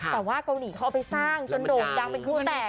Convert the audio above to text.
แต่ว่าเกาหลีเขาเอาไปสร้างจนโด่งดังเป็นคู่แตก